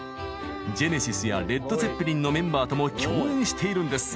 ジェネシスやレッド・ツェッペリンのメンバーとも共演しているんです。